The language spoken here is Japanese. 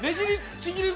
ちぎれる！